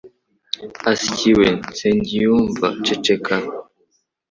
Asyi we nsengiyumva ceceka